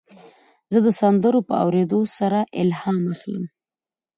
زه د سندرو په اورېدو سره الهام اخلم.